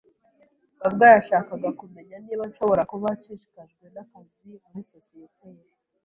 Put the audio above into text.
mabwa yashakaga kumenya niba nshobora kuba nshishikajwe n'akazi muri sosiyete ye.